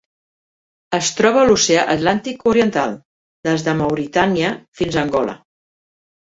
Es troba a l'Oceà Atlàntic oriental: des de Mauritània fins a Angola.